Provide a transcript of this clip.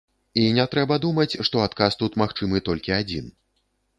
І не трэба думаць, што адказ тут магчымы толькі адзін.